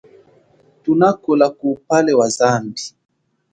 Thunakola kuwupale wa zambi.